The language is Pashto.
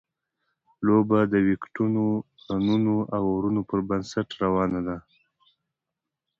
لوبه د ویکټونو، رنونو او اورونو پر بنسټ روانه ده.